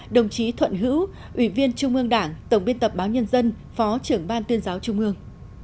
đồng chí thuận hữu ủy viên trung ương đảng tổng biên tập báo nhân dân phó trưởng ban tuyên giáo trung ương